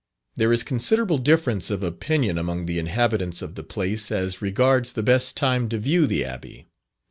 There is considerable difference of opinion among the inhabitants of the place as regards the best time to view the Abbey.